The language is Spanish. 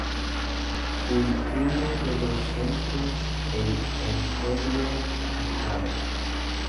Fue uno de los centros del Imperio afgano.